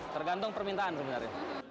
tergantung permintaan sebenarnya